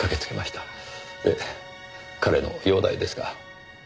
で彼の容態ですが。